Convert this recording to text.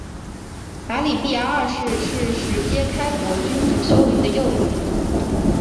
答里必牙二世是是实皆开国君主修云的幼子。